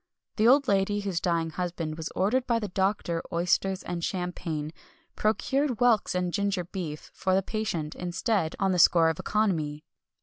The old lady whose dying husband was ordered by the doctor oysters and champagne, procured whelks and ginger beer for the patient, instead, on the score of economy.